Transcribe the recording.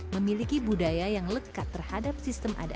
memiliki budaya yang lekat terhadap sistem adat